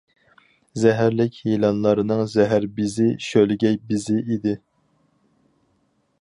زەھەرلىك يىلانلارنىڭ زەھەر بېزى شۆلگەي بېزى ئىدى.